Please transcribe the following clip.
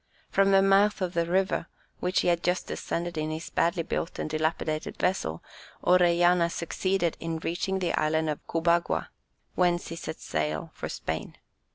From the mouth of the river, which he had just descended in his badly built and dilapidated vessel, Orellana succeeded in reaching the Island of Cubagua, whence he set sail for Spain.